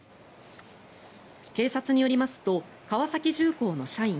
警察によりますと川崎重工の社員